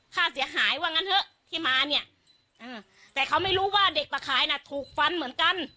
ค่าเสียหายว่างั้นเถอะที่มาเนี่ยแต่เขาไม่รู้ว่าเด็กมาขายน่ะถูกฟันเหมือนกัน